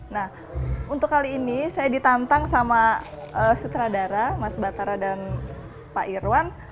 nah untuk kali ini saya ditantang sama sutradara mas batara dan pak irwan